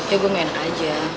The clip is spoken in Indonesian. ya gua ga enak aja